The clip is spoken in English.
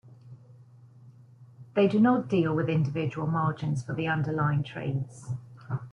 They do not deal with individual margins for the underlying trades.